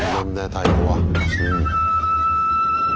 太鼓は。